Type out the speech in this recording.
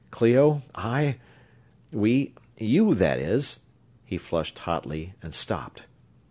"Clio, I ... we ... you ... that is," he flushed hotly and stopped.